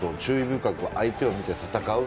深く、相手を見て戦う。